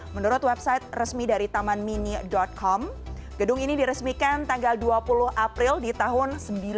menurut website resmi dari tamanmini com gedung ini diresmikan tanggal dua puluh april di tahun seribu sembilan ratus sembilan puluh